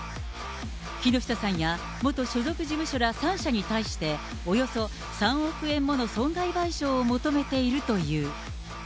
木下さんや元所属事務所ら３者に対して、およそ３億円もの損害賠償を求めているという。